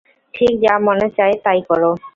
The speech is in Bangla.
ঠিক যা মনে চায়, তাই করো।